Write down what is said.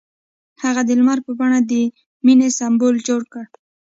هغه د لمر په بڼه د مینې سمبول جوړ کړ.